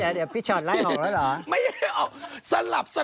ไม่เอาสันลับให้คนอื่นเค้าถามค่ะ